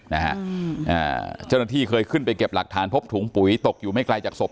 นะฮะอืมอ่าเจ้าหน้าที่เคยขึ้นไปเก็บหลักฐานพบถุงปุ๋ยตกอยู่ไม่ไกลจากศพ